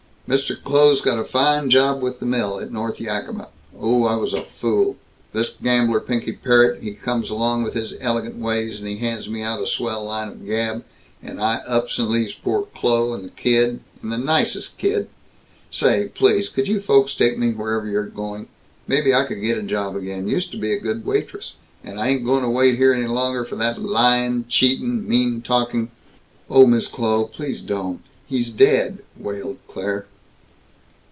Mr. Kloh's got a fine job with the mill, at North Yakima. Oh, I was a fool! This gambler Pinky Parrott, he comes along with his elegant ways, and he hands me out a swell line of gab, and I ups and leaves poor Kloh, and the kid, and the nicest kid Say, please, could you folks take me wherever you're going? Maybe I could get a job again used to was a good waitress, and I ain't going to wait here any longer for that lying, cheating, mean talking " "Oh, Mrs. Kloh, please don't! He's dead!" wailed Claire.